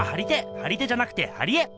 張り手じゃなくて貼り絵！